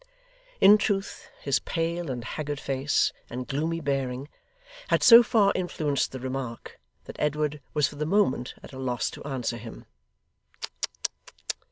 In truth his pale and haggard face, and gloomy bearing, had so far influenced the remark, that Edward was, for the moment, at a loss to answer him.